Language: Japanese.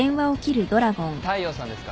大陽さんですか？